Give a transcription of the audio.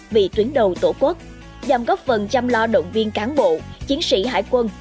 vì tuyến đầu tổ quốc giảm góp phần chăm lo động viên cán bộ chiến sĩ hải quân